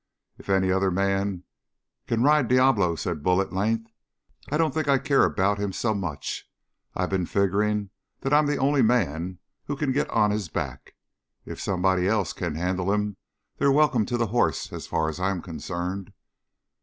"If any other man can ride Diablo," said Bull at length, "I don't think I care about him so much. I've been figuring that I'm the only man who can get on his back. If somebody else can handle him, they're welcome to the horse as far as I'm concerned."